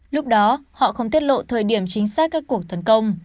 lúc đó họ không tiết lộ thời điểm chính xác các cuộc tấn công